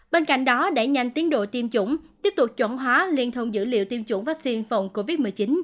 bên cạnh đó đẩy nhanh tiến độ tiêm chủng tiếp tục chuẩn hóa liên thông dữ liệu tiêm chủng vaccine phòng covid một mươi chín